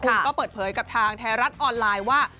คุณก็เปิดเผยกับทางไทยรัฐออนไลน์ว่า